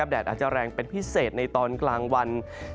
แดดอาจจะแรงเป็นพิเศษในตอนกลางวัน